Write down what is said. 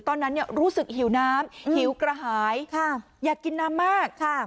ตอนนั้นรู้สึกหิวน้ำหิวกระหายอยากกินน้ำมากค่ะ